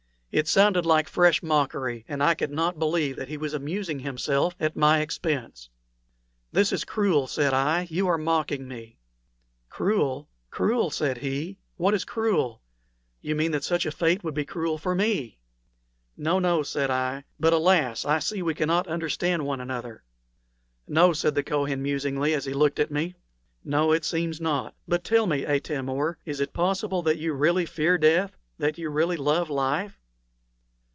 It sounded like fresh mockery, and I could not believe but that he was amusing himself at my expense. "This is cruel," said I. "You are mocking me." "Cruel? cruel?" said he; "what is cruel? You mean that such a fate would be cruel for me." "No, no," said I; "but alas! I see we cannot understand one another." "No," said the Kohen, musingly, as he looked at me. "No, it seems not; but tell me, Atam or, is it possible that you really fear death that you really love life?"